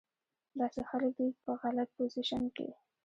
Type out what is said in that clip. داسې خلک دې پۀ غلط پوزيشن کښې